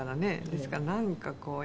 ですからなんかこう。